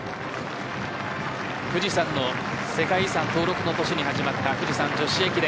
富士山の世界遺産登録の年に始まった富士山女子駅伝。